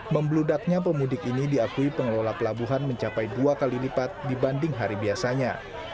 membludaknya pemudik ini diakui pengelola pelabuhan mencapai dua kali lipat dibanding hari biasanya